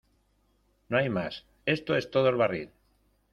¡ No hay más! ¡ esto es todo el barril !